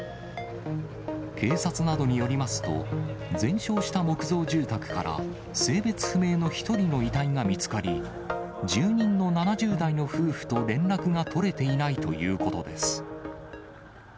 警察などによりますと、全焼した木造住宅から性別不明の１人の遺体が見つかり、住人の７０代の夫婦と連絡が取れていないということです。